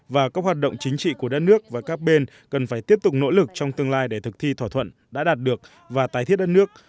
và các hoạt động chính trị của đất nước và các bên cần phải tiếp tục nỗ lực trong tương lai để thực thi thỏa thuận đã đạt được và tái thiết đất nước